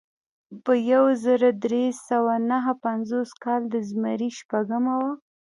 په یو زر درې سوه نهه پنځوس کال د زمري شپږمه وه.